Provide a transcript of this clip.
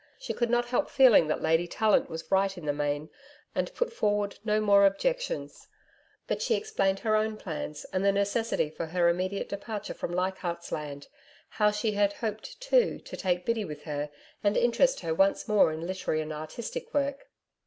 She could not help feeling that Lady Tallant was right in the main, and put forward no more objections. But she explained her own plans and the necessity for her immediate departure from Leichardt's Land how she had hoped, too, to take Biddy with her and interest her once more in literary and artistic work.